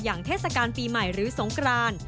เทศกาลปีใหม่หรือสงกราน